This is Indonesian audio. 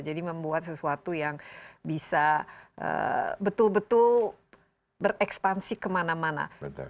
jadi membuat sesuatu yang bisa betul betul berekspansi kemana mana